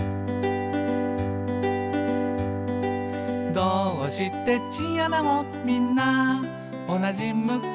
「どーうしてチンアナゴみんなおなじ向き？」